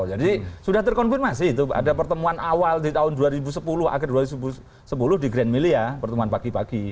jadi sudah terkonfirmasi itu ada pertemuan awal di tahun dua ribu sepuluh akhir dua ribu sepuluh di grand milia pertemuan pagi pagi